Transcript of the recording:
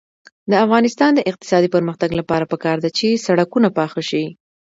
د افغانستان د اقتصادي پرمختګ لپاره پکار ده چې سړکونه پاخه شي.